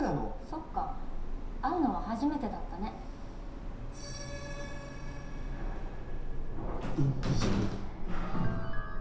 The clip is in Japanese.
そっか会うのは初めてだったねインビジブル！？